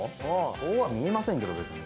そうは見えませんけど別に。